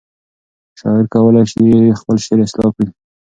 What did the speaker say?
شاعر کولی شي خپل شعر اصلاح کړي.